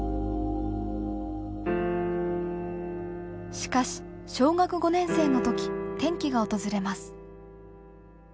しかし小学５年生の時転機が訪れます。